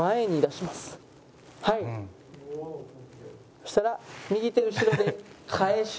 そうしたら右手後ろで返しながら。